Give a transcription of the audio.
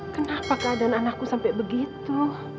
kenapa keadaan anakku sampai begitu